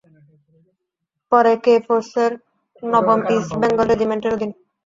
পরে ‘কে’ ফোর্সের নবম ইস্ট বেঙ্গল রেজিমেন্টের অধীনে।